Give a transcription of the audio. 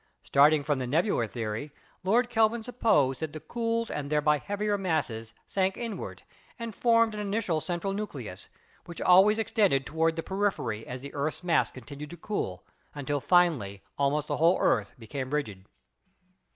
Starting from the nebular theory, Lord Kelvin supposed that the cooled and thereby heavier masses sank inward and formed an initial central nucleus, which always extended toward the periphery as the earth's mass continued to cool, until finally almost the whole earth became rigid.